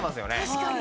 確かに。